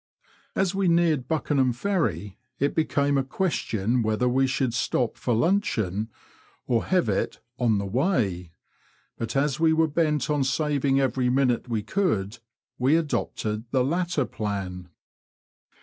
As we neared Buckenham Ferry, it became a question whether wo should stop for luncheon or have it "on the way," but as we were bent on saving every minute wo could, we adopted the latter plan.